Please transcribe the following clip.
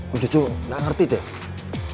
om jojo gak ngerti deh